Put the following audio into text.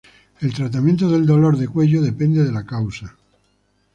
El tratamiento del dolor de cuello depende de la causa.